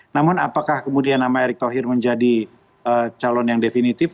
namun apakah kemudian nama erick thohir menjadi calon yang definitif